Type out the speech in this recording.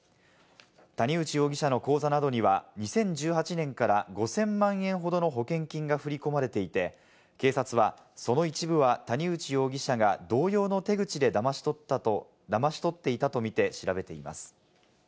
谷内容疑者の口座などには、２０１８年から５０００万円ほどの保険金が振り込まれていて、警察はその一部は谷内容疑者が同様の手口でだまし取っていたとみて調べています。